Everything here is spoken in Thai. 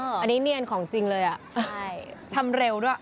งานนี้เนียนของจริงเลยอะทำเร็วนะ